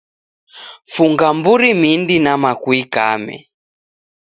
Funga mburi mindi nama kuikame